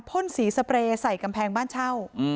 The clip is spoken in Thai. พ่นสีสเปรย์ใส่กำแพงบ้านเช่า